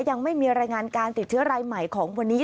ยังไม่มีรายงานการติดเชื้อรายใหม่ของวันนี้